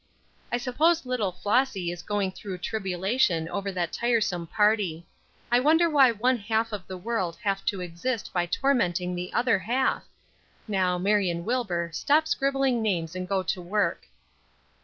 I suppose little Flossy is going through tribulation over that tiresome party. I wonder why one half of the world have to exist by tormenting the other half? Now, Marion Wilbur, stop scribbling names and go to work."